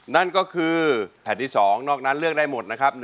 นั่นก็คือแผ่นที่๒นอกนั้นเลือกได้หมดนะครับ